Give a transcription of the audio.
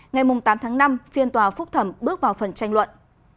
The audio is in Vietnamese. ngày tám tháng năm phiên tòa phúc thẩm bước vào phần tranh luận